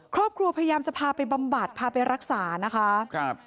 ครอบครัวพยายามจะพาไปบำบัดพาไปรักษานะคะครับ